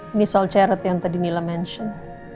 ini soal cereti yang tadi nila mention